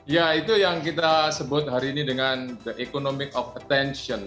ya itu yang kita sebut hari ini dengan the economic of attention